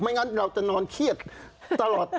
งั้นเราจะนอนเครียดตลอด